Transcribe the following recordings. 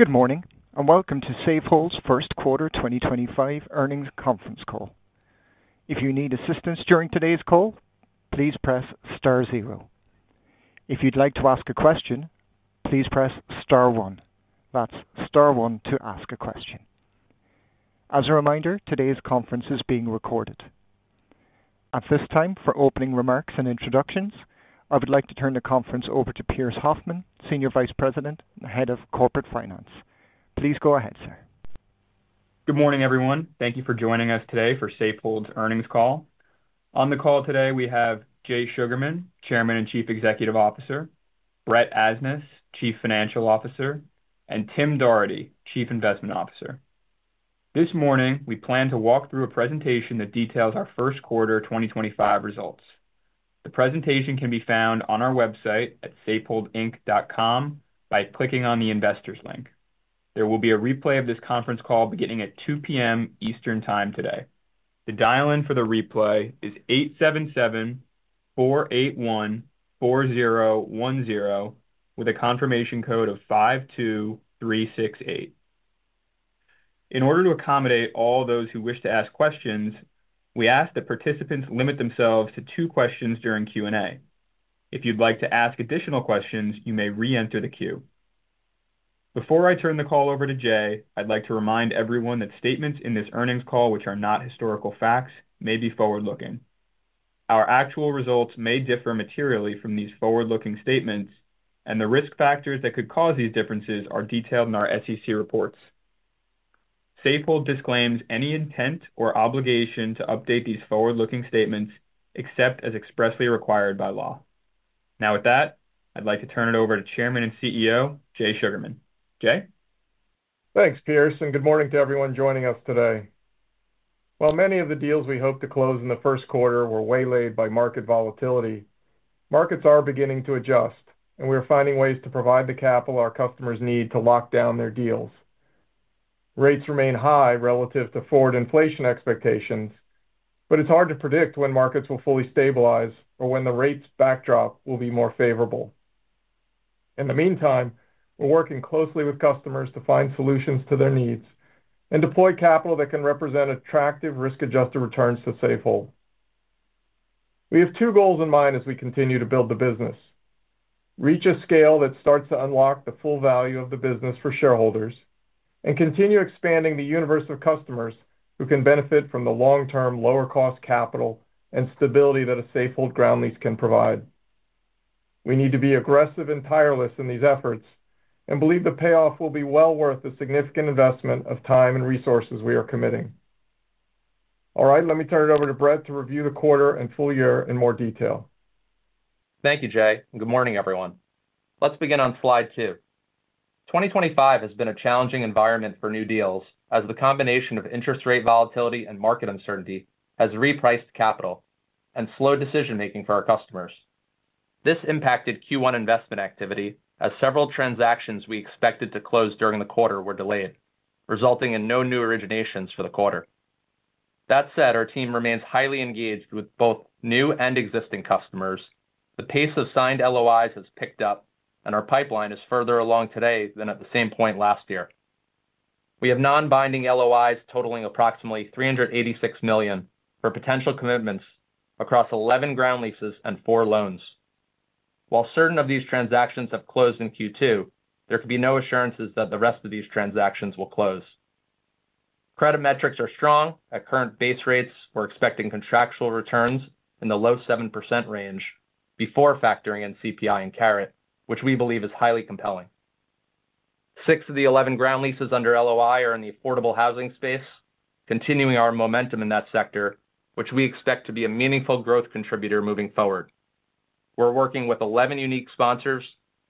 Good morning, and welcome to Safehold's first quarter 2025 earnings conference call. If you need assistance during today's call, please press star zero. If you'd like to ask a question, please press star one. That's star one to ask a question. As a reminder, today's conference is being recorded. At this time, for opening remarks and introductions, I would like to turn the conference over to Pierce Hoffman, Senior Vice President and Head of Corporate Finance. Please go ahead, sir. Good morning, everyone. Thank you for joining us today for Safehold's earnings call. On the call today, we have Jay Sugarman, Chairman and Chief Executive Officer; Brett Asnas, Chief Financial Officer; and Tim Doherty, Chief Investment Officer. This morning, we plan to walk through a presentation that details our first quarter 2025 results. The presentation can be found on our website at safeholdinc.com by clicking on the investors' link. There will be a replay of this conference call beginning at 2:00 P.M. Eastern Time today. The dial-in for the replay is 877-481-4010 with a confirmation code of 52368. In order to accommodate all those who wish to ask questions, we ask that participants limit themselves to two questions during Q&A. If you'd like to ask additional questions, you may re-enter the queue. Before I turn the call over to Jay, I'd like to remind everyone that statements in this earnings call, which are not historical facts, may be forward-looking. Our actual results may differ materially from these forward-looking statements, and the risk factors that could cause these differences are detailed in our SEC reports. Safehold disclaims any intent or obligation to update these forward-looking statements except as expressly required by law. Now, with that, I'd like to turn it over to Chairman and CEO Jay Sugarman. Jay? Thanks, Pierce, and good morning to everyone joining us today. While many of the deals we hope to close in the first quarter were waylaid by market volatility, markets are beginning to adjust, and we're finding ways to provide the capital our customers need to lock down their deals. Rates remain high relative to forward inflation expectations, but it's hard to predict when markets will fully stabilize or when the rates backdrop will be more favorable. In the meantime, we're working closely with customers to find solutions to their needs and deploy capital that can represent attractive risk-adjusted returns to Safehold. We have two goals in mind as we continue to build the business: reach a scale that starts to unlock the full value of the business for shareholders, and continue expanding the universe of customers who can benefit from the long-term lower-cost capital and stability that a Safehold ground lease can provide. We need to be aggressive and tireless in these efforts and believe the payoff will be well worth the significant investment of time and resources we are committing. All right, let me turn it over to Brett to review the quarter and full year in more detail. Thank you, Jay. Good morning, everyone. Let's begin on slide two. 2025 has been a challenging environment for new deals as the combination of interest rate volatility and market uncertainty has repriced capital and slowed decision-making for our customers. This impacted Q1 investment activity as several transactions we expected to close during the quarter were delayed, resulting in no new originations for the quarter. That said, our team remains highly engaged with both new and existing customers. The pace of signed LOIs has picked up, and our pipeline is further along today than at the same point last year. We have non-binding LOIs totaling approximately $386 million for potential commitments across 11 ground leases and four loans. While certain of these transactions have closed in Q2, there could be no assurances that the rest of these transactions will close. Credit metrics are strong at current base rates. We're expecting contractual returns in the low 7% range before factoring in CPI and carrot, which we believe is highly compelling. Six of the 11 ground leases under LOI are in the affordable housing space, continuing our momentum in that sector, which we expect to be a meaningful growth contributor moving forward. We're working with 11 unique sponsors,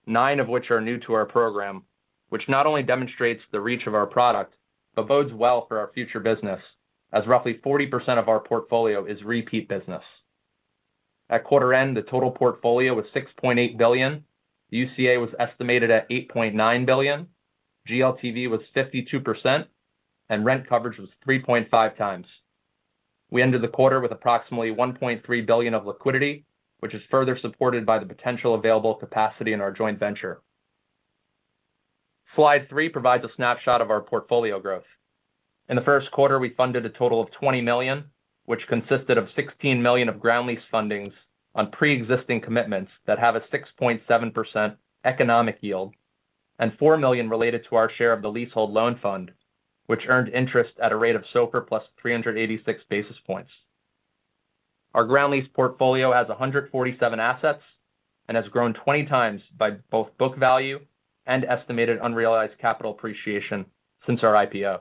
nine of which are new to our program, which not only demonstrates the reach of our product but bodes well for our future business, as roughly 40% of our portfolio is repeat business. At quarter end, the total portfolio was $6.8 billion. UCA was estimated at $8.9 billion. GLTV was 52%, and rent coverage was 3.5 times. We ended the quarter with approximately $1.3 billion of liquidity, which is further supported by the potential available capacity in our joint venture. Slide three provides a snapshot of our portfolio growth. In the first quarter, we funded a total of $20 million, which consisted of $16 million of ground lease fundings on pre-existing commitments that have a 6.7% economic yield, and $4 million related to our share of the leasehold loan fund, which earned interest at a rate of SOFR plus 386 basis points. Our ground lease portfolio has 147 assets and has grown 20 times by both book value and estimated unrealized capital appreciation since our IPO.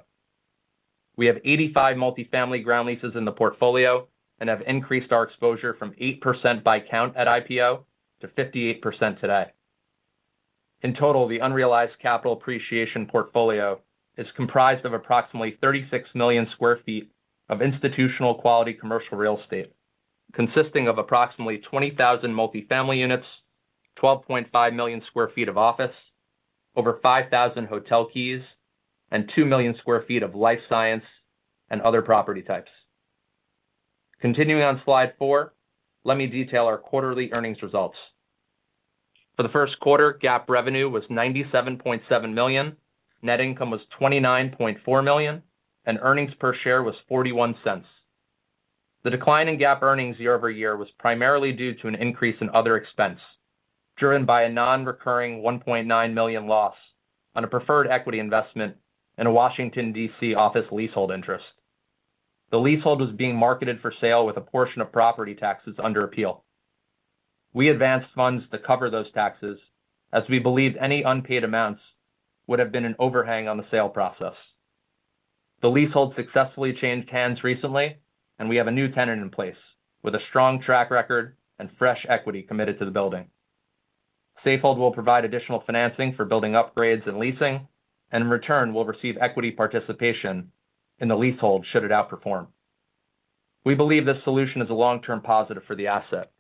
We have 85 multifamily ground leases in the portfolio and have increased our exposure from 8% by count at IPO to 58% today. In total, the unrealized capital appreciation portfolio is comprised of approximately 36 million sq ft of institutional quality commercial real estate, consisting of approximately 20,000 multifamily units, 12.5 million sq ft of office, over 5,000 hotel keys, and 2 million sq ft of life science and other property types. Continuing on slide four, let me detail our quarterly earnings results. For the first quarter, GAAP revenue was $97.7 million, net income was $29.4 million, and earnings per share was $0.41. The decline in GAAP earnings year over year was primarily due to an increase in other expense driven by a non-recurring $1.9 million loss on a preferred equity investment in a Washington, DC office leasehold interest. The leasehold was being marketed for sale with a portion of property taxes under appeal. We advanced funds to cover those taxes as we believed any unpaid amounts would have been an overhang on the sale process. The leasehold successfully changed hands recently, and we have a new tenant in place with a strong track record and fresh equity committed to the building. Safehold will provide additional financing for building upgrades and leasing, and in return, we'll receive equity participation in the leasehold should it outperform. We believe this solution is a long-term positive for the asset.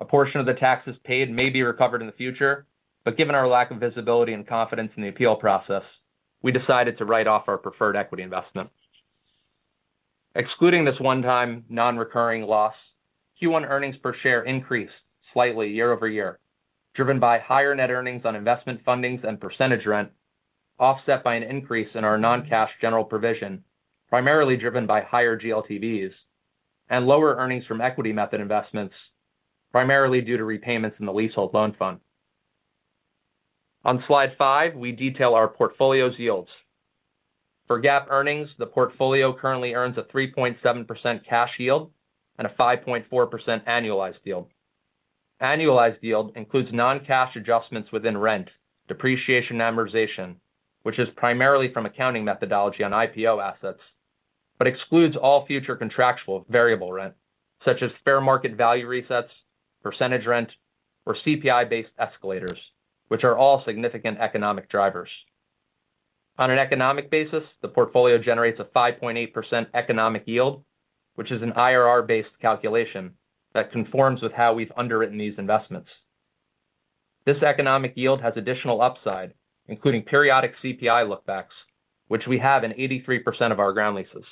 A portion of the taxes paid may be recovered in the future, but given our lack of visibility and confidence in the appeal process, we decided to write off our preferred equity investment. Excluding this one-time non-recurring loss, Q1 earnings per share increased slightly year over year, driven by higher net earnings on investment fundings and percentage rent, offset by an increase in our non-cash general provision, primarily driven by higher GLTVs, and lower earnings from equity method investments, primarily due to repayments in the leasehold loan fund. On slide five, we detail our portfolio's yields. For GAAP earnings, the portfolio currently earns a 3.7% cash yield and a 5.4% annualized yield. Annualized yield includes non-cash adjustments within rent, depreciation amortization, which is primarily from accounting methodology on IPO assets, but excludes all future contractual variable rent, such as fair market value resets, percentage rent, or CPI-based escalators, which are all significant economic drivers. On an economic basis, the portfolio generates a 5.8% economic yield, which is an IRR-based calculation that conforms with how we've underwritten these investments. This economic yield has additional upside, including periodic CPI lookbacks, which we have in 83% of our ground leases.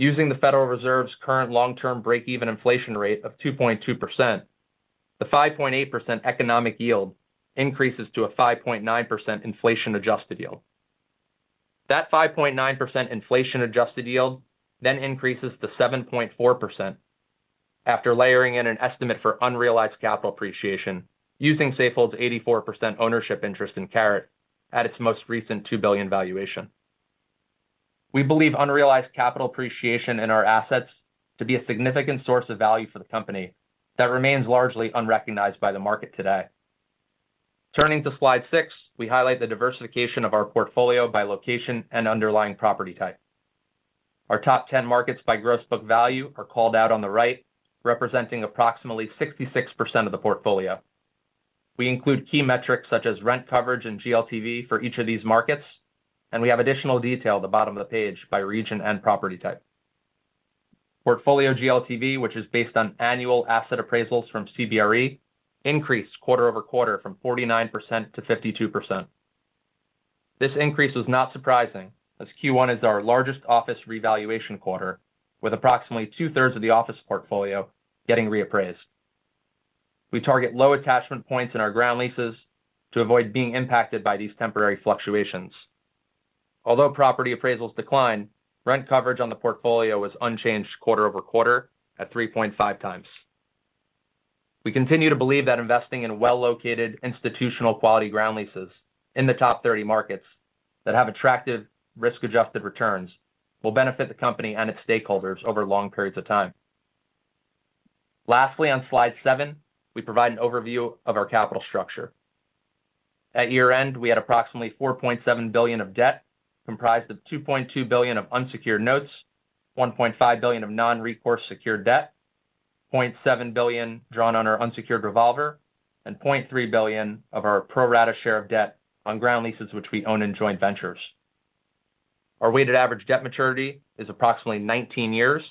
Using the Federal Reserve's current long-term break-even inflation rate of 2.2%, the 5.8% economic yield increases to a 5.9% inflation-adjusted yield. That 5.9% inflation-adjusted yield then increases to 7.4% after layering in an estimate for unrealized capital appreciation using Safehold's 84% ownership interest in Caret at its most recent $2 billion valuation. We believe unrealized capital appreciation in our assets to be a significant source of value for the company that remains largely unrecognized by the market today. Turning to slide six, we highlight the diversification of our portfolio by location and underlying property type. Our top 10 markets by gross book value are called out on the right, representing approximately 66% of the portfolio. We include key metrics such as rent coverage and GLTV for each of these markets, and we have additional detail at the bottom of the page by region and property type. Portfolio GLTV, which is based on annual asset appraisals from CBRE, increased quarter over quarter from 49% to 52%. This increase was not surprising as Q1 is our largest office revaluation quarter, with approximately two-thirds of the office portfolio getting reappraised. We target low attachment points in our ground leases to avoid being impacted by these temporary fluctuations. Although property appraisals declined, rent coverage on the portfolio was unchanged quarter over quarter at 3.5 times. We continue to believe that investing in well-located, institutional-quality ground leases in the top 30 markets that have attractive risk-adjusted returns will benefit the company and its stakeholders over long periods of time. Lastly, on slide seven, we provide an overview of our capital structure. At year end, we had approximately $4.7 billion of debt comprised of $2.2 billion of unsecured notes, $1.5 billion of non-recourse secured debt, $0.7 billion drawn on our unsecured revolver, and $0.3 billion of our pro rata share of debt on ground leases, which we own in joint ventures. Our weighted average debt maturity is approximately 19 years,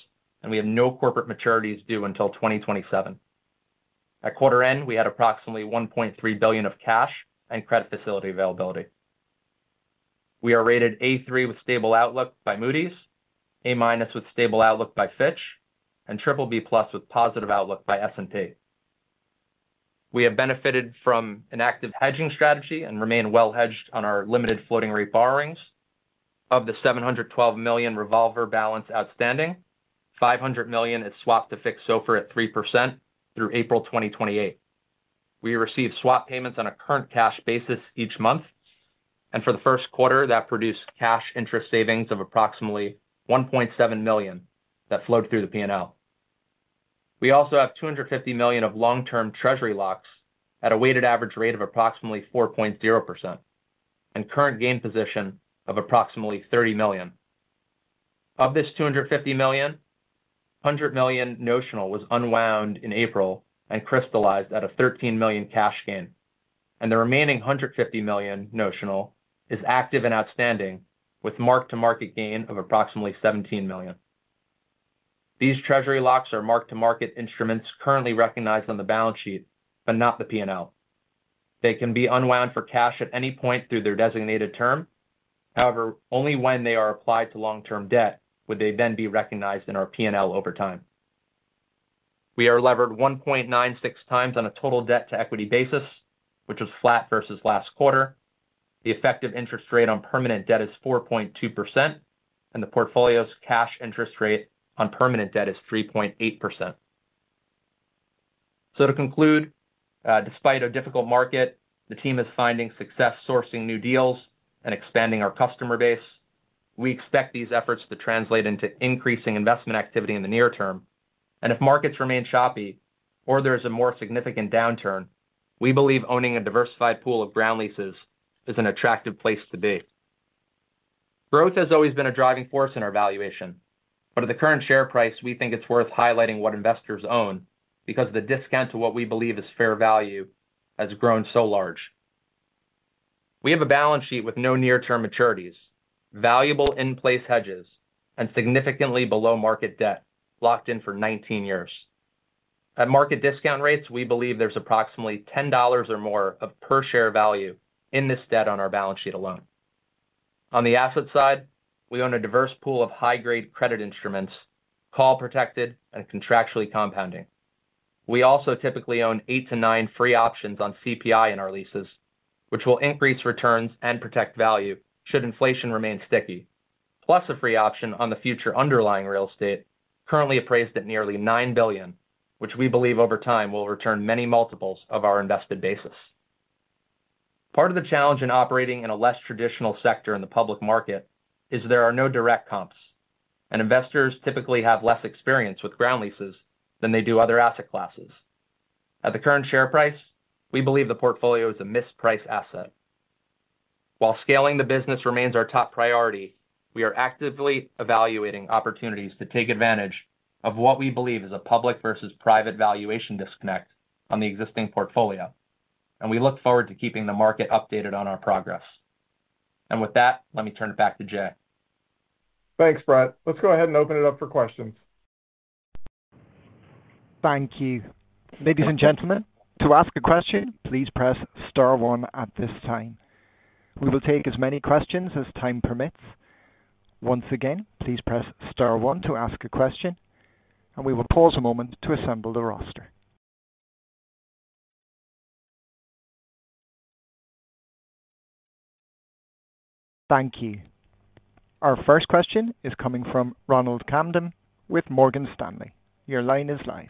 and we have no corporate maturities due until 2027. At quarter end, we had approximately $1.3 billion of cash and credit facility availability. We are rated A3 with stable outlook by Moody's, A- with stable outlook by Fitch, and BBB+ with positive outlook by S&P. We have benefited from an active hedging strategy and remain well-hedged on our limited floating-rate borrowings. Of the $712 million revolver balance outstanding, $500 million is swapped to fixed SOFR at 3% through April 2028. We receive swap payments on a current cash basis each month, and for the first quarter, that produced cash interest savings of approximately $1.7 million that flowed through the P&L. We also have $250 million of long-term treasury locks at a weighted average rate of approximately 4.0% and current gain position of approximately $30 million. Of this $250 million, $100 million notional was unwound in April and crystallized at a $13 million cash gain, and the remaining $150 million notional is active and outstanding with mark-to-market gain of approximately $17 million. These treasury locks are mark-to-market instruments currently recognized on the balance sheet, but not the P&L. They can be unwound for cash at any point through their designated term. However, only when they are applied to long-term debt would they then be recognized in our P&L over time. We are levered 1.96 times on a total debt-to-equity basis, which was flat versus last quarter. The effective interest rate on permanent debt is 4.2%, and the portfolio's cash interest rate on permanent debt is 3.8%. To conclude, despite a difficult market, the team is finding success sourcing new deals and expanding our customer base. We expect these efforts to translate into increasing investment activity in the near term, and if markets remain choppy or there is a more significant downturn, we believe owning a diversified pool of ground leases is an attractive place to be. Growth has always been a driving force in our valuation, but at the current share price, we think it's worth highlighting what investors own because the discount to what we believe is fair value has grown so large. We have a balance sheet with no near-term maturities, valuable in-place hedges, and significantly below market debt locked in for 19 years. At market discount rates, we believe there's approximately $10 or more of per-share value in this debt on our balance sheet alone. On the asset side, we own a diverse pool of high-grade credit instruments, call-protected, and contractually compounding. We also typically own eight to nine free options on CPI in our leases, which will increase returns and protect value should inflation remain sticky, plus a free option on the future underlying real estate currently appraised at nearly $9 billion, which we believe over time will return many multiples of our invested basis. Part of the challenge in operating in a less traditional sector in the public market is there are no direct comps, and investors typically have less experience with ground leases than they do other asset classes. At the current share price, we believe the portfolio is a mispriced asset. While scaling the business remains our top priority, we are actively evaluating opportunities to take advantage of what we believe is a public versus private valuation disconnect on the existing portfolio, and we look forward to keeping the market updated on our progress. With that, let me turn it back to Jay. Thanks, Brett. Let's go ahead and open it up for questions. Thank you. Ladies and gentlemen, to ask a question, please press star one at this time. We will take as many questions as time permits. Once again, please press star one to ask a question, and we will pause a moment to assemble the roster. Thank you. Our first question is coming from Ronald Camden with Morgan Stanley. Your line is live.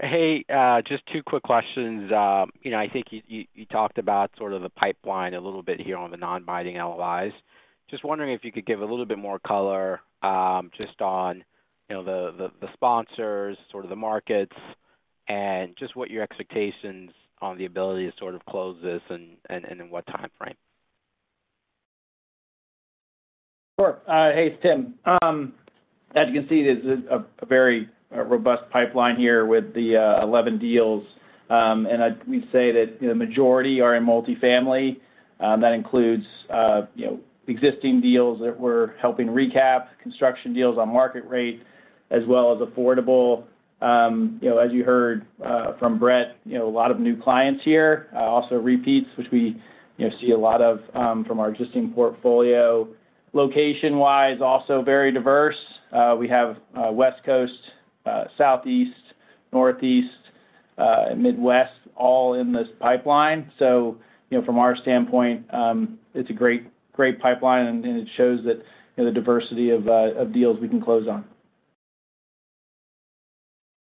Hey, just two quick questions. I think you talked about sort of the pipeline a little bit here on the non-binding LOIs. Just wondering if you could give a little bit more color just on the sponsors, sort of the markets, and just what your expectations on the ability to sort of close this and in what time frame. Sure. Hey, it's Tim. As you can see, there's a very robust pipeline here with the 11 deals, and we'd say that the majority are in multifamily. That includes existing deals that we're helping recap, construction deals on market rate, as well as affordable. As you heard from Brett, a lot of new clients here, also repeats, which we see a lot of from our existing portfolio. Location-wise, also very diverse. We have West Coast, Southeast, Northeast, Midwest, all in this pipeline. From our standpoint, it's a great pipeline, and it shows that the diversity of deals we can close on.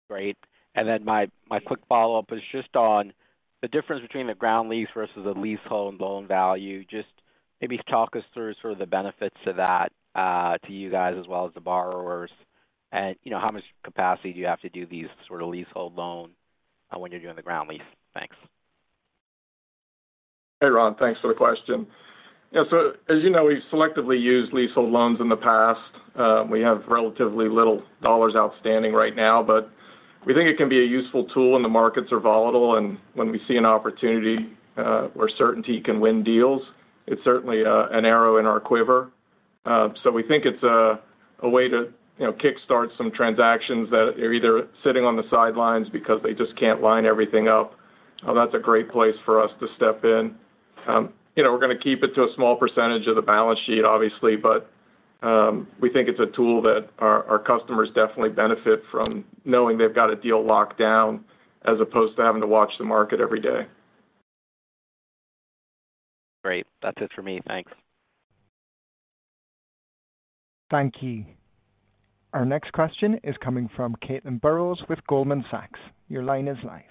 Great. My quick follow-up is just on the difference between the ground lease versus a leasehold loan value. Just maybe talk us through sort of the benefits of that to you guys as well as the borrowers, and how much capacity do you have to do these sort of leasehold loans when you're doing the ground lease? Thanks. Hey, Ron, thanks for the question. As you know, we've selectively used leasehold loans in the past. We have relatively little dollars outstanding right now, but we think it can be a useful tool when the markets are volatile, and when we see an opportunity where certainty can win deals, it's certainly an arrow in our quiver. We think it's a way to kickstart some transactions that are either sitting on the sidelines because they just can't line everything up. That's a great place for us to step in. We're going to keep it to a small percentage of the balance sheet, obviously, but we think it's a tool that our customers definitely benefit from knowing they've got a deal locked down as opposed to having to watch the market every day. Great. That's it for me. Thanks. Thank you. Our next question is coming from Caitlin Burrows with Goldman Sachs. Your line is live.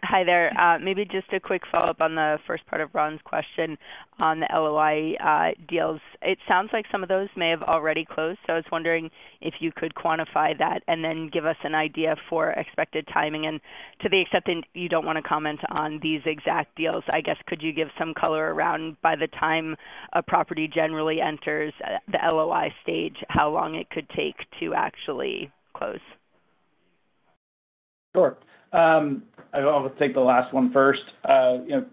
Hi there. Maybe just a quick follow-up on the first part of Ron's question on the LLI deals. It sounds like some of those may have already closed, so I was wondering if you could quantify that and then give us an idea for expected timing. To the extent that you do not want to comment on these exact deals, could you give some color around by the time a property generally enters the LOI stage, how long it could take to actually close? Sure. I will take the last one first.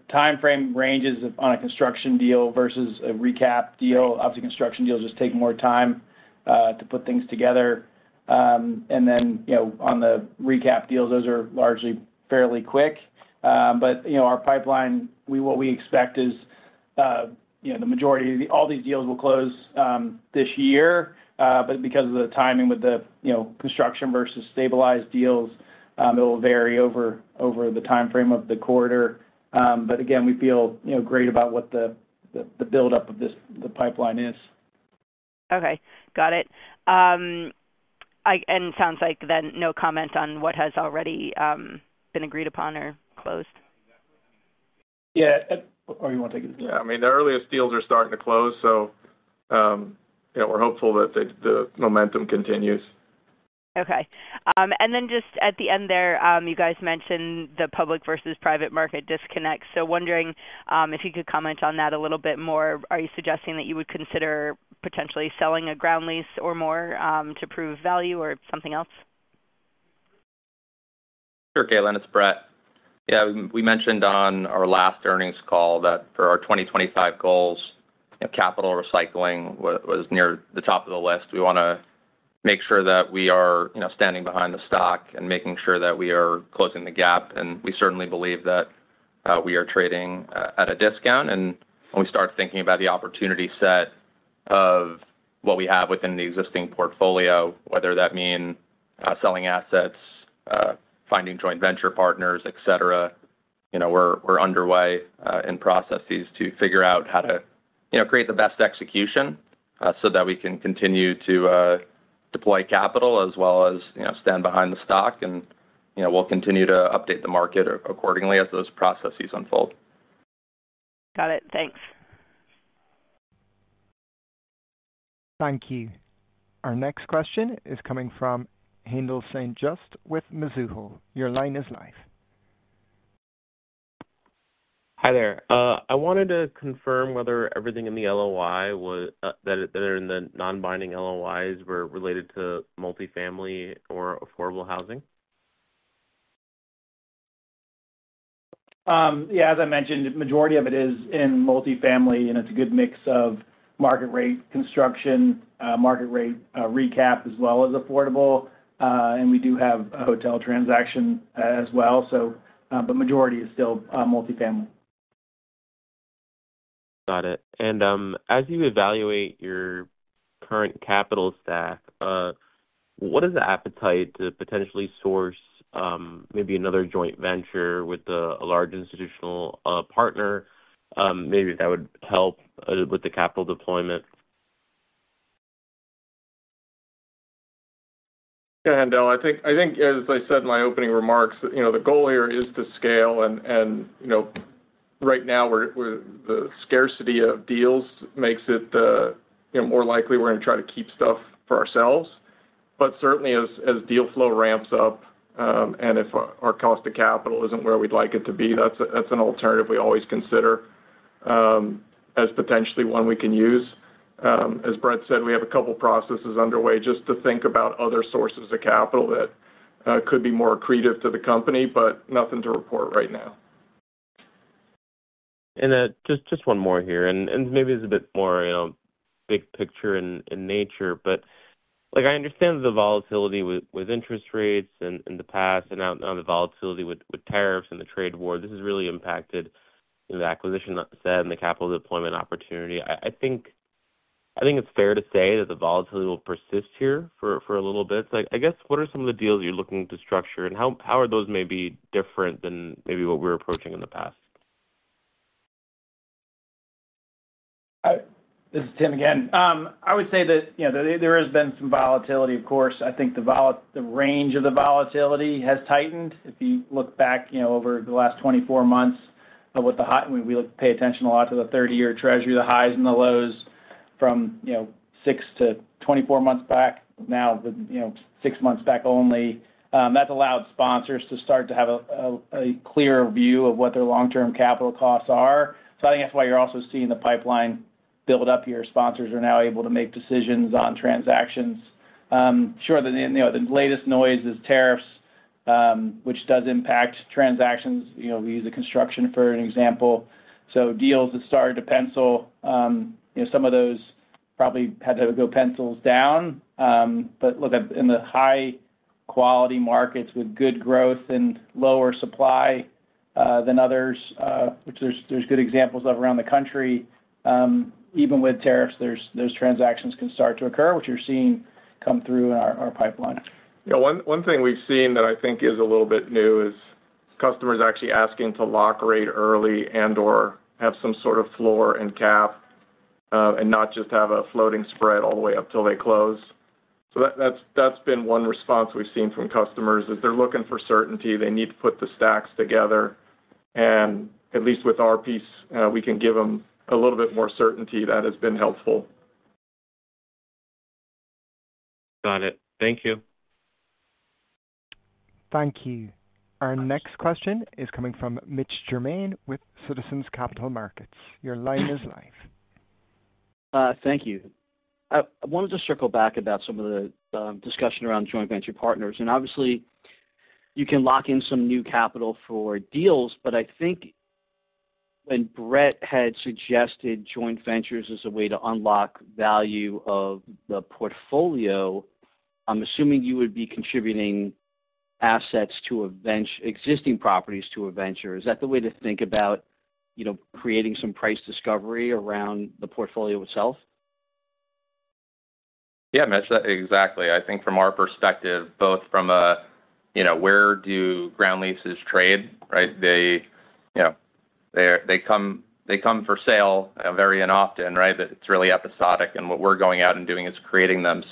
Time frame ranges on a construction deal versus a recap deal. Obviously, construction deals just take more time to put things together. On the recap deals, those are largely fairly quick. Our pipeline, what we expect is the majority of all these deals will close this year, but because of the timing with the construction versus stabilized deals, it will vary over the time frame of the quarter. We feel great about what the build-up of the pipeline is. Okay. Got it. It sounds like then no comment on what has already been agreed upon or closed? Yeah. Or you want to take it? Yeah. I mean, the earliest deals are starting to close, so we're hopeful that the momentum continues. Okay. At the end there, you guys mentioned the public versus private market disconnect. Wondering if you could comment on that a little bit more. Are you suggesting that you would consider potentially selling a ground lease or more to prove value or something else? Sure, Caitlin. It's Brett. Yeah. We mentioned on our last earnings call that for our 2025 goals, capital recycling was near the top of the list. We want to make sure that we are standing behind the stock and making sure that we are closing the gap. We certainly believe that we are trading at a discount. When we start thinking about the opportunity set of what we have within the existing portfolio, whether that means selling assets, finding joint venture partners, etc., we're underway in processes to figure out how to create the best execution so that we can continue to deploy capital as well as stand behind the stock. We'll continue to update the market accordingly as those processes unfold. Got it. Thanks. Thank you. Our next question is coming from Haendel St. Juste with Mizuho. Your line is live. Hi there. I wanted to confirm whether everything in the LOI that are in the non-binding LOIs were related to multifamily or affordable housing. Yeah. As I mentioned, the majority of it is in multifamily, and it's a good mix of market rate construction, market rate recap, as well as affordable. We do have a hotel transaction as well. The majority is still multifamily. Got it. As you evaluate your current capital stack, what is the appetite to potentially source maybe another joint venture with a large institutional partner? Maybe that would help with the capital deployment. Yeah, Handel. I think, as I said in my opening remarks, the goal here is to scale. Right now, the scarcity of deals makes it more likely we are going to try to keep stuff for ourselves. Certainly, as deal flow ramps up and if our cost of capital is not where we would like it to be, that is an alternative we always consider as potentially one we can use. As Brett said, we have a couple of processes underway just to think about other sources of capital that could be more accretive to the company, but nothing to report right now. Just one more here. Maybe this is a bit more big picture in nature, but I understand the volatility with interest rates in the past and now the volatility with tariffs and the trade war. This has really impacted the acquisition set and the capital deployment opportunity. I think it's fair to say that the volatility will persist here for a little bit. I guess, what are some of the deals you're looking to structure, and how are those maybe different than maybe what we're approaching in the past? This is Tim again. I would say that there has been some volatility, of course. I think the range of the volatility has tightened. If you look back over the last 24 months of what the—we pay attention a lot to the 30-year treasury, the highs and the lows from 6 to 24 months back, now 6 months back only. That's allowed sponsors to start to have a clearer view of what their long-term capital costs are. I think that's why you're also seeing the pipeline build up here. Sponsors are now able to make decisions on transactions. Sure, the latest noise is tariffs, which does impact transactions. We use the construction for an example. Deals that started to pencil, some of those probably had to go pencils down. In the high-quality markets with good growth and lower supply than others, which there's good examples of around the country, even with tariffs, those transactions can start to occur, which you're seeing come through in our pipeline. Yeah. One thing we've seen that I think is a little bit new is customers actually asking to lock rate early and/or have some sort of floor and cap and not just have a floating spread all the way up till they close. That has been one response we've seen from customers is they're looking for certainty. They need to put the stacks together. At least with our piece, we can give them a little bit more certainty. That has been helpful. Got it. Thank you. Thank you. Our next question is coming from Mitch Germain with Citizens Capital Markets. Your line is live. Thank you. I wanted to circle back about some of the discussion around joint venture partners. Obviously, you can lock in some new capital for deals, but I think when Brett had suggested joint ventures as a way to unlock value of the portfolio, I'm assuming you would be contributing assets to existing properties to a venture. Is that the way to think about creating some price discovery around the portfolio itself? Yeah, Mitch, exactly. I think from our perspective, both from where do ground leases trade, right? They come for sale very often, right? It's really episodic. What we're going out and doing is creating them.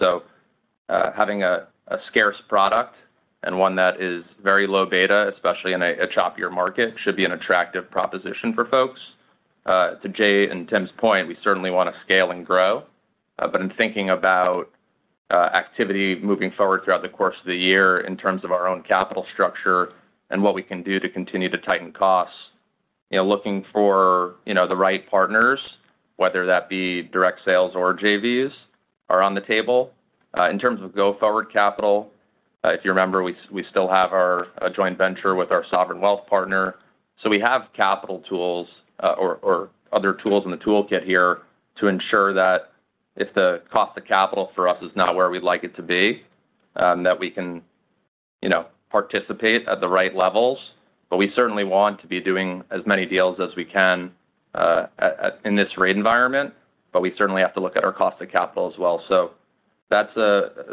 Having a scarce product and one that is very low beta, especially in a choppier market, should be an attractive proposition for folks. To Jay and Tim's point, we certainly want to scale and grow. In thinking about activity moving forward throughout the course of the year in terms of our own capital structure and what we can do to continue to tighten costs, looking for the right partners, whether that be direct sales or JVs, are on the table. In terms of go-forward capital, if you remember, we still have our joint venture with our sovereign wealth partner. We have capital tools or other tools in the toolkit here to ensure that if the cost of capital for us is not where we'd like it to be, we can participate at the right levels. We certainly want to be doing as many deals as we can in this rate environment, but we certainly have to look at our cost of capital as well. It's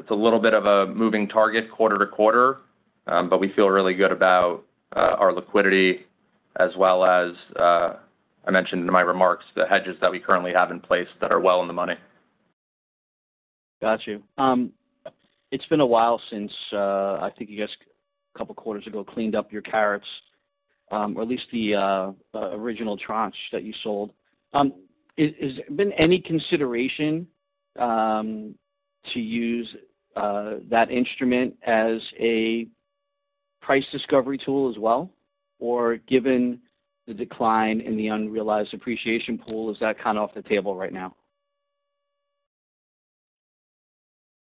a little bit of a moving target quarter to quarter, but we feel really good about our liquidity as well as, I mentioned in my remarks, the hedges that we currently have in place that are well in the money. Gotcha. It's been a while since I think you guys a couple of quarters ago cleaned up your carrots, or at least the original tranche that you sold. Has there been any consideration to use that instrument as a price discovery tool as well? Or given the decline in the unrealized appreciation pool, is that kind of off the table right now?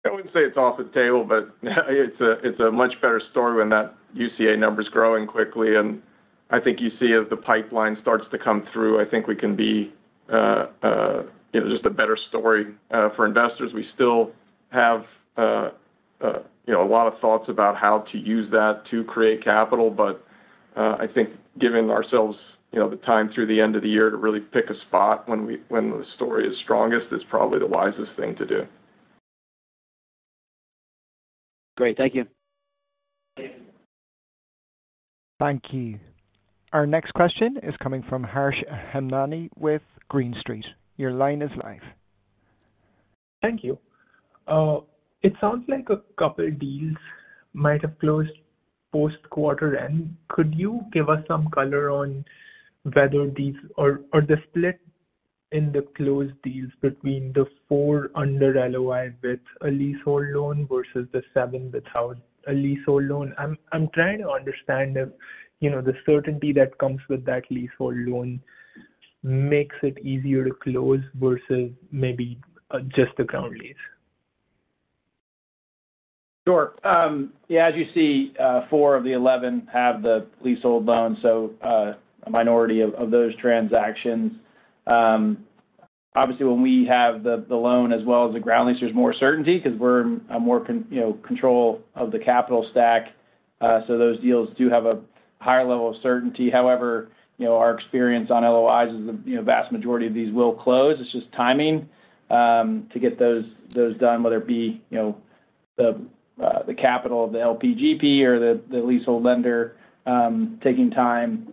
I wouldn't say it's off the table, but it's a much better story when that UCA number's growing quickly. I think you see as the pipeline starts to come through, I think we can be just a better story for investors. We still have a lot of thoughts about how to use that to create capital, but I think giving ourselves the time through the end of the year to really pick a spot when the story is strongest is probably the wisest thing to do. Great. Thank you. Thank you. Our next question is coming from Harsh Hamdani with Green Street. Your line is live. Thank you. It sounds like a couple of deals might have closed post-quarter end. Could you give us some color on whether these or the split in the closed deals between the four under LOI with a leasehold loan versus the seven without a leasehold loan? I'm trying to understand if the certainty that comes with that leasehold loan makes it easier to close versus maybe just the ground lease. Sure. Yeah. As you see, four of the 11 have the leasehold loan, so a minority of those transactions. Obviously, when we have the loan as well as the ground lease, there is more certainty because we are in more control of the capital stack. Those deals do have a higher level of certainty. However, our experience on LOIs is the vast majority of these will close. It is just timing to get those done, whether it be the capital of the LPGP or the leasehold lender taking time.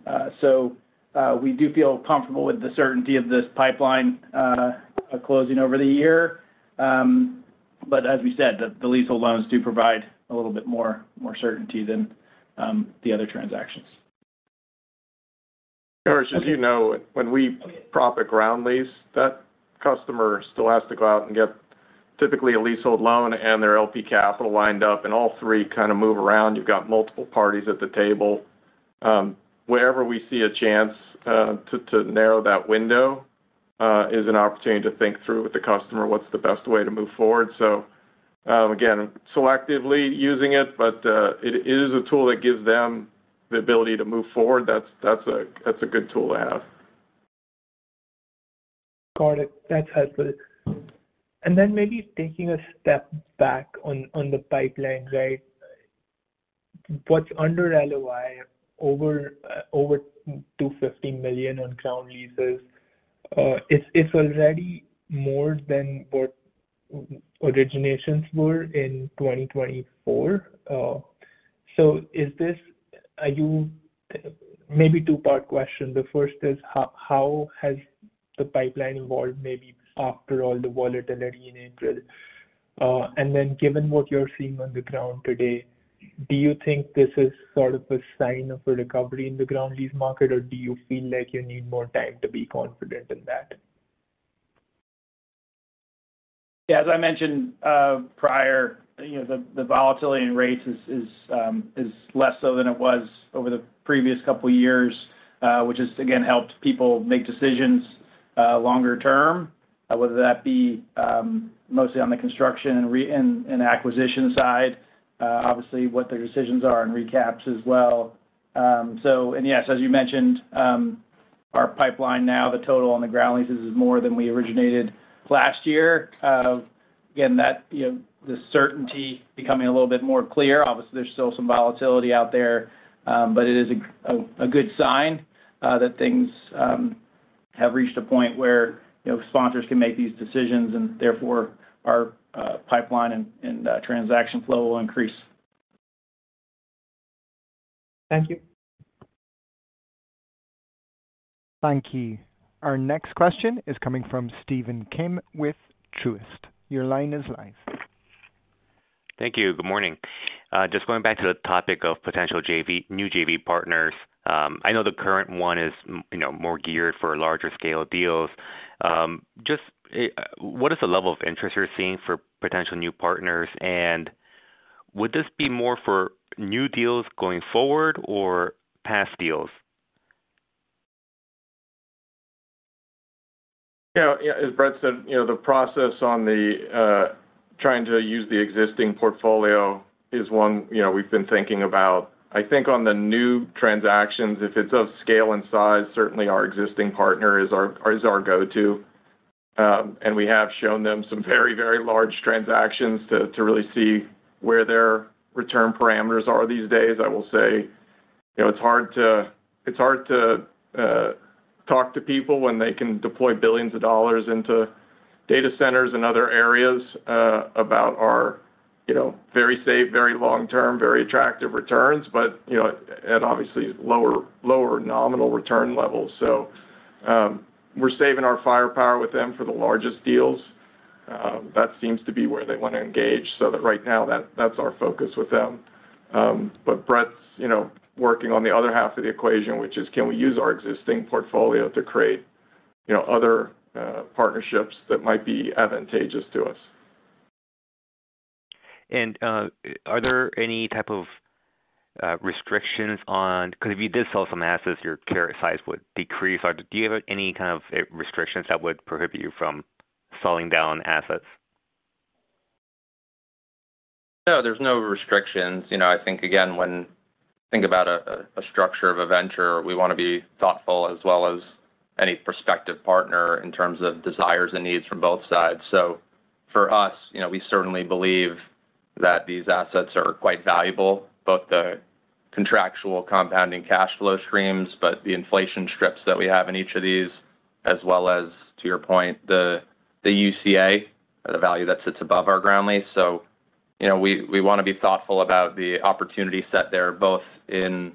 We do feel comfortable with the certainty of this pipeline closing over the year. As we said, the leasehold loans do provide a little bit more certainty than the other transactions. Yeah. As you know, when we prop a ground lease, that customer still has to go out and get typically a leasehold loan and their LP capital lined up, and all three kind of move around. You have multiple parties at the table. Wherever we see a chance to narrow that window is an opportunity to think through with the customer what is the best way to move forward. Again, selectively using it, but it is a tool that gives them the ability to move forward. That is a good tool to have. Got it. That is helpful. Maybe taking a step back on the pipeline, right? What is under LOI over $250 million on ground leases, it is already more than what originations were in 2024. Are you maybe a two-part question? The first is, how has the pipeline evolved maybe after all the volatility in April? Given what you're seeing on the ground today, do you think this is sort of a sign of a recovery in the ground lease market, or do you feel like you need more time to be confident in that? Yeah. As I mentioned prior, the volatility in rates is less so than it was over the previous couple of years, which has again helped people make decisions longer term, whether that be mostly on the construction and acquisition side, obviously what their decisions are and recaps as well. Yes, as you mentioned, our pipeline now, the total on the ground leases is more than we originated last year. Again, the certainty becoming a little bit more clear. Obviously, there's still some volatility out there, but it is a good sign that things have reached a point where sponsors can make these decisions and therefore our pipeline and transaction flow will increase. Thank you. Thank you. Our next question is coming from Steven Kim with Truist. Your line is live. Thank you. Good morning. Just going back to the topic of potential new JV partners, I know the current one is more geared for larger scale deals. Just what is the level of interest you're seeing for potential new partners? And would this be more for new deals going forward or past deals? Yeah. As Brett said, the process on trying to use the existing portfolio is one we've been thinking about. I think on the new transactions, if it's of scale and size, certainly our existing partner is our go-to. We have shown them some very, very large transactions to really see where their return parameters are these days. I will say it's hard to talk to people when they can deploy billions of dollars into data centers and other areas about our very safe, very long-term, very attractive returns, but at obviously lower nominal return levels. We're saving our firepower with them for the largest deals. That seems to be where they want to engage. Right now, that's our focus with them. Brett's working on the other half of the equation, which is can we use our existing portfolio to create other partnerships that might be advantageous to us? Are there any type of restrictions on because if you did sell some assets, your carrot size would decrease. Do you have any kind of restrictions that would prohibit you from selling down assets? No, there's no restrictions. I think, again, when you think about a structure of a venture, we want to be thoughtful as well as any prospective partner in terms of desires and needs from both sides. For us, we certainly believe that these assets are quite valuable, both the contractual compounding cash flow streams, but the inflation strips that we have in each of these, as well as, to your point, the UCA, the value that sits above our ground lease. We want to be thoughtful about the opportunity set there, both in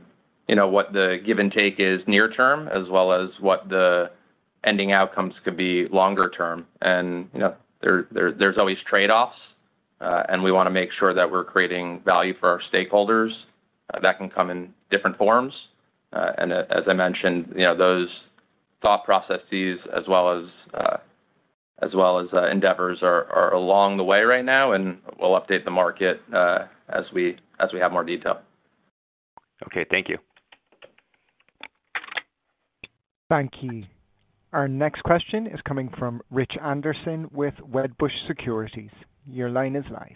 what the give and take is near term as well as what the ending outcomes could be longer term. There's always trade-offs, and we want to make sure that we're creating value for our stakeholders that can come in different forms. As I mentioned, those thought processes as well as endeavors are along the way right now, and we will update the market as we have more detail. Thank you. Thank you. Our next question is coming from Rich Anderson with Wedbush Securities. Your line is live.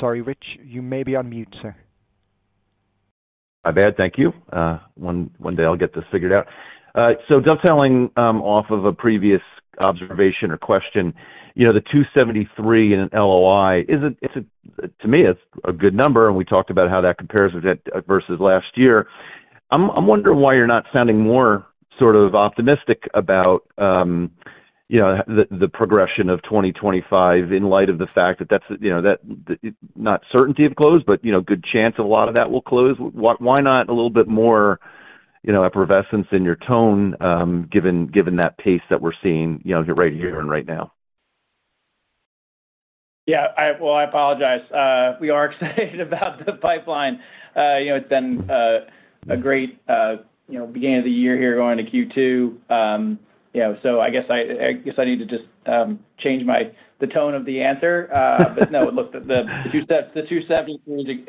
Sorry, Rich, you may be on mute, sir. I'm good. Thank you. One day, I'll get this figured out. Dovetailing off of a previous observation or question, the $273 million in an LOI, to me, it is a good number. We talked about how that compares versus last year. I'm wondering why you are not sounding more sort of optimistic about the progression of 2025 in light of the fact that that is not certainty of close, but good chance a lot of that will close. Why not a little bit more effervescence in your tone given that pace that we're seeing right here and right now? Yeah. I apologize. We are excited about the pipeline. It's been a great beginning of the year here going into Q2. I guess I need to just change the tone of the answer. No, look, the 273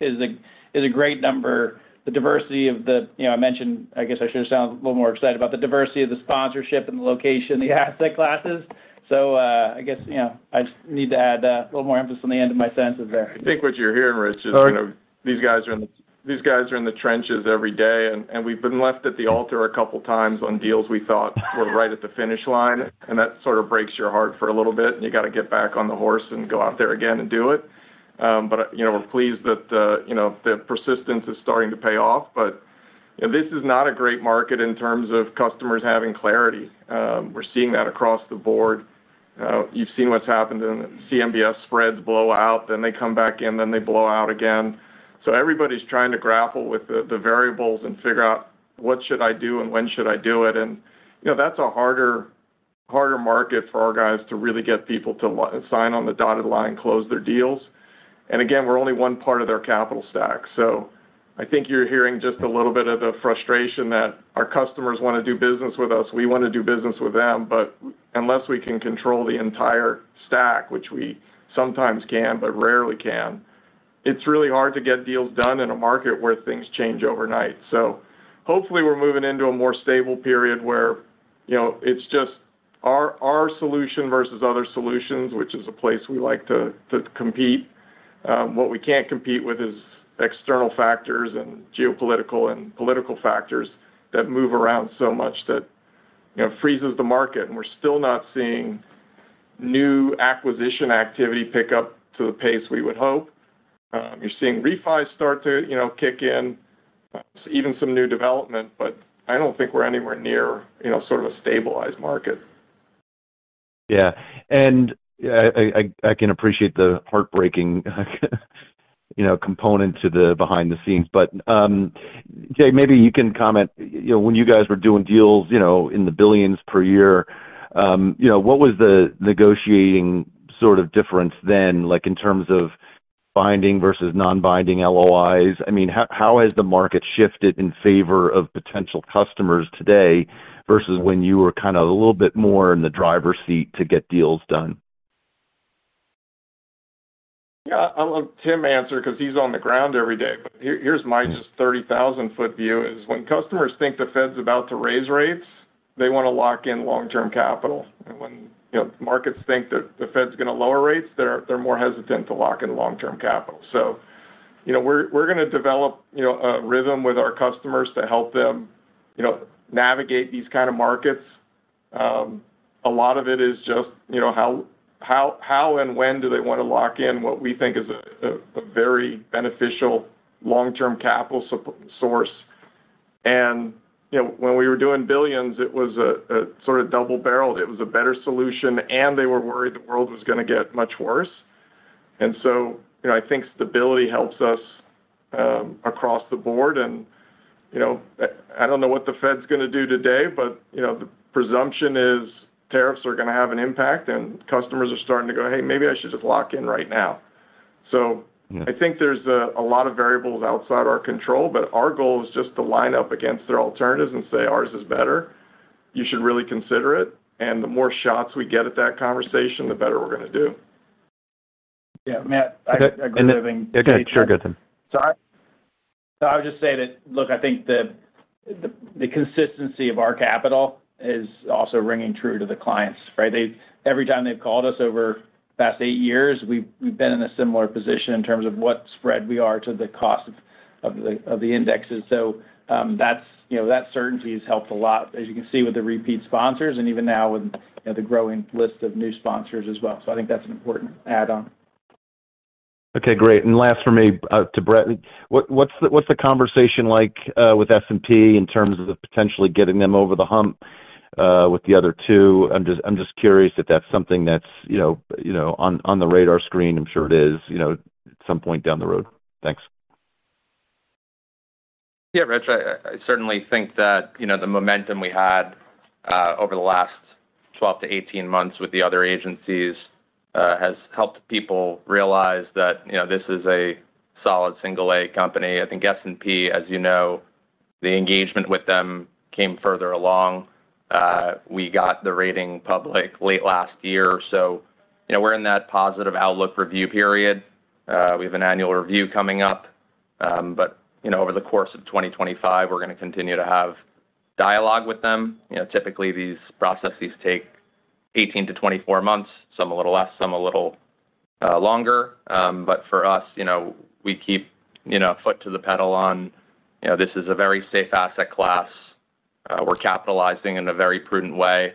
is a great number. The diversity of the, I guess I should have sounded a little more excited about the diversity of the sponsorship and the location, the asset classes. I guess I just need to add a little more emphasis on the end of my sentences there. I think what you're hearing, Rich, is these guys are in the trenches every day. We have been left at the altar a couple of times on deals we thought were right at the finish line. That sort of breaks your heart for a little bit. You have to get back on the horse and go out there again and do it. We are pleased that the persistence is starting to pay off. This is not a great market in terms of customers having clarity. We are seeing that across the board. You have seen what has happened in CMBS spreads blow out, then they come back in, then they blow out again. Everybody is trying to grapple with the variables and figure out what should I do and when should I do it. That is a harder market for our guys to really get people to sign on the dotted line and close their deals. Again, we're only one part of their capital stack. I think you're hearing just a little bit of the frustration that our customers want to do business with us. We want to do business with them. Unless we can control the entire stack, which we sometimes can but rarely can, it's really hard to get deals done in a market where things change overnight. Hopefully, we're moving into a more stable period where it's just our solution versus other solutions, which is a place we like to compete. What we can't compete with is external factors and geopolitical and political factors that move around so much that freezes the market. We're still not seeing new acquisition activity pick up to the pace we would hope. You're seeing refis start to kick in, even some new development, but I don't think we're anywhere near sort of a stabilized market. Yeah. I can appreciate the heartbreaking component to the behind the scenes. Jay, maybe you can comment. When you guys were doing deals in the billions per year, what was the negotiating sort of difference then in terms of binding versus non-binding LOIs? I mean, how has the market shifted in favor of potential customers today versus when you were kind of a little bit more in the driver's seat to get deals done? Yeah. I'll let Tim answer because he's on the ground every day. Here's my just 30,000-foot view: when customers think the Fed's about to raise rates, they want to lock in long-term capital. When markets think that the Fed's going to lower rates, they're more hesitant to lock in long-term capital. We're going to develop a rhythm with our customers to help them navigate these kind of markets. A lot of it is just how and when do they want to lock in what we think is a very beneficial long-term capital source. When we were doing billions, it was a sort of double-barrel. It was a better solution, and they were worried the world was going to get much worse. I think stability helps us across the board. I do not know what the Fed's going to do today, but the presumption is tariffs are going to have an impact, and customers are starting to go, "Hey, maybe I should just lock in right now." I think there are a lot of variables outside our control, but our goal is just to line up against their alternatives and say, "Ours is better. You should really consider it." The more shots we get at that conversation, the better we are going to do. Yeah. Matt, I agree with him. Okay. Sure. Good to him. I would just say that, look, I think the consistency of our capital is also ringing true to the clients, right? Every time they have called us over the past eight years, we have been in a similar position in terms of what spread we are to the cost of the indexes. That certainty has helped a lot, as you can see with the repeat sponsors and even now with the growing list of new sponsors as well. I think that is an important add-on. Okay. Great. Last for me to Brett: what is the conversation like with S&P in terms of potentially getting them over the hump with the other two? I am just curious if that is something that is on the radar screen. I am sure it is at some point down the road. Thanks. Yeah, Rich, I certainly think that the momentum we had over the last 12 to 18 months with the other agencies has helped people realize that this is a solid single-A company. I think S&P, as you know, the engagement with them came further along. We got the rating public late last year. We are in that positive outlook review period. We have an annual review coming up. Over the course of 2025, we're going to continue to have dialogue with them. Typically, these processes take 18-24 months. Some a little less, some a little longer. For us, we keep a foot to the pedal on this is a very safe asset class. We're capitalizing in a very prudent way.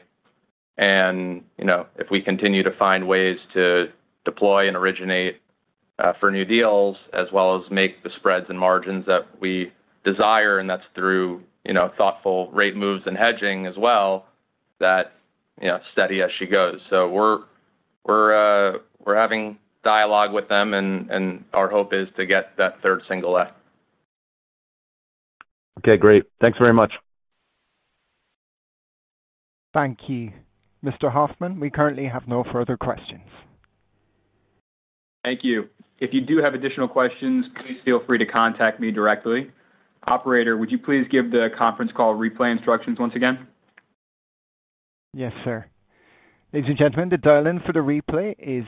If we continue to find ways to deploy and originate for new deals as well as make the spreads and margins that we desire, and that's through thoughtful rate moves and hedging as well, that steady as she goes. We're having dialogue with them, and our hope is to get that third single-A. Okay. Great. Thanks very much. Thank you. Mr. Hoffmann, we currently have no further questions. Thank you. If you do have additional questions, please feel free to contact me directly. Operator, would you please give the conference call replay instructions once again? Yes, sir. Ladies and gentlemen, the dial-in for the replay is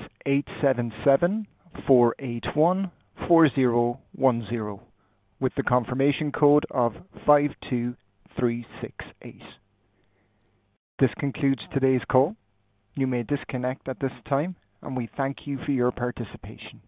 877-481-4010 with the confirmation code of 52368. This concludes today's call. You may disconnect at this time, and we thank you for your participation.